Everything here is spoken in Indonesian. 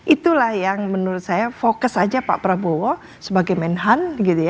itulah yang menurut saya fokus saja pak prabowo sebagai menhan